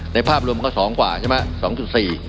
ภาพรวมก็๒กว่าใช่ไหม